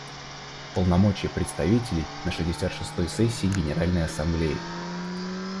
Полномочия представителей на шестьдесят шестой сессии Генеральной Ассамблеи.